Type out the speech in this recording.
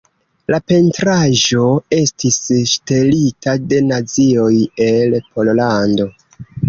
La pentraĵo estis ŝtelita de Nazioj el Pollando.